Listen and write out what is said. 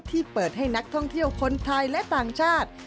ที่เปิดให้นักท่องเที่ยวคนไทยและต่างชาติ